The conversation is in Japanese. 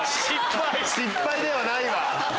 失敗ではないわ！